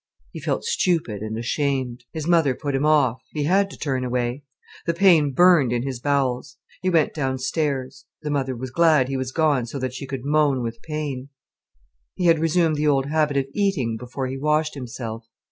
He felt stupid and ashamed. His mother put him off. He had to turn away. The pain burned in his bowels. He went downstairs. The mother was glad he was gone, so that she could moan with pain. He had resumed the old habit of eating before he washed himself.